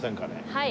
はい。